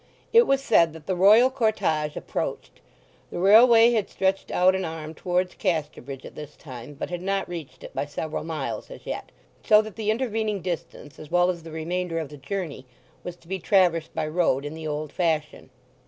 It was said that the Royal cortège approached. The railway had stretched out an arm towards Casterbridge at this time, but had not reached it by several miles as yet; so that the intervening distance, as well as the remainder of the journey, was to be traversed by road in the old fashion.